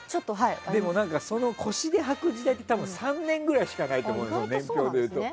でも、その腰ではく時代って多分、３年ぐらいしかないと思うんだよね、年表だと。